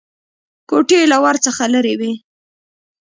کوټې له ور څخه لرې وې.